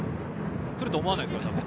来ると思わないですよ、多分。